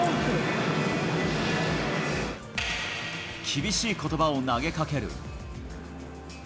厳しいことばを投げかける。